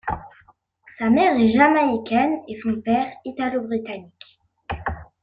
Sa mère est jamaïcaine et son père italo-britannique.